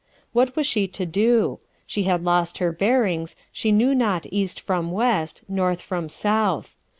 What was she to do? She had lost her bearings; she knew not east from west, north from south.